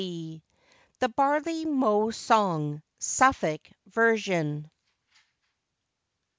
] THE BARLEY MOW SONG. (SUFFOLK VERSION.)